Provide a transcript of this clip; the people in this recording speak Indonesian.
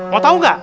mau tahu nggak